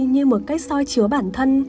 như một cách soi chứa bản thân